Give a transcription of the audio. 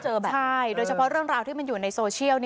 โดยเฉพาะเรื่องราวที่มันอยู่ในโซเชียล